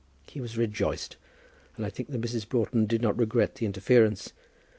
He was rejoiced, and I think that Mrs. Broughton did not regret the interference.